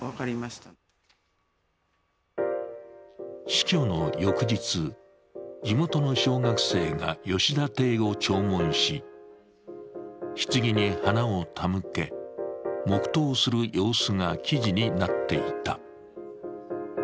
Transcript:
死去の翌日、地元の小学生が吉田邸を弔問し、ひつぎに花を手向け黙とうをする様子が記事になっていた。